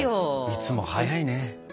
いつも早いね。